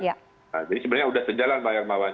nah jadi sebenarnya sudah sejalan pak hermawan